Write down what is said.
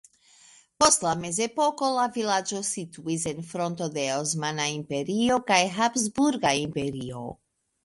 Post la mezepoko la vilaĝo situis en fronto de Osmana Imperio kaj Habsburga Imperio.